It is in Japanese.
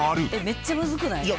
めっちゃむずくない？